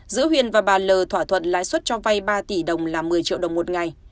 giữa huyền và bà l thỏa thuận lãi suất cho vay ba tỷ đồng là một mươi triệu đồng một ngày